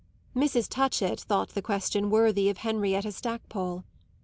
Mrs. Touchett thought the question worthy of Henrietta Stackpole.